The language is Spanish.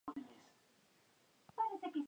Se puede encontrar en España.